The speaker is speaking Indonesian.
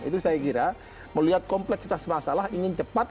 itu saya kira melihat kompleksitas masalah ingin cepat